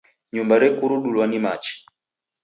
Nyumba rekurudulwa ni machi.